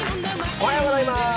おはようございます。